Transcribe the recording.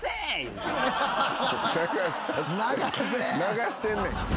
流してんねん。